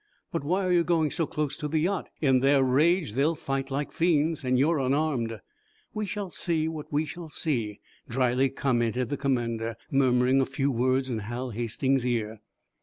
"But why are you going so close to the yacht? In their rage, they'll fight like fiends, and you are unarmed." "We shall see what we shall see," dryly commented the commander, murmuring a few words in Hal Hastings's ear.